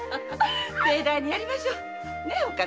盛大にやりましょうねえ。